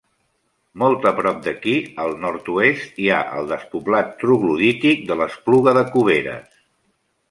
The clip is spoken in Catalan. Molt a prop d'aquí, al nord-oest, hi ha el despoblat troglodític de l'Espluga de Cuberes.